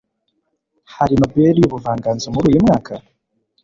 hari Nobel y'ubuvanganzo muri uyu mwaka?